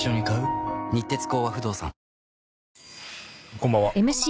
こんばんは。